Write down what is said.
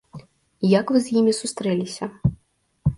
Як вы з імі сустрэліся?